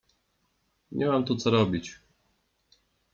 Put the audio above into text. Nie mam tu co robić.